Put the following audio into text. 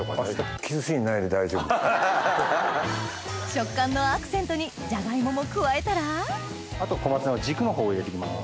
食感のアクセントにジャガイモも加えたらあと小松菜の軸の方を入れていきます。